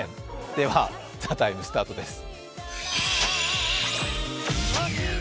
では「ＴＨＥＴＩＭＥ，」スタートです。